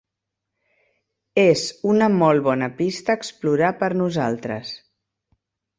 És una molt bona pista a explorar, per a nosaltres.